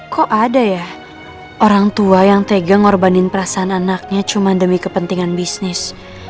kok ada ya orang tua yang tega ngorbanin perasaan anaknya cuma demi kepentingan bisnis